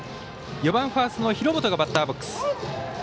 ４番ファースト廣本がバッターボックス。